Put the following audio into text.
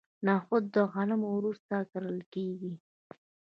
نخود د غنمو وروسته کرل کیږي.